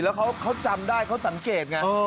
แล้วเขาจำได้เขาสังเกตไง